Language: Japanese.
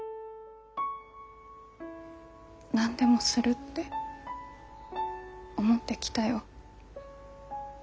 何でもするって思ってきたよ。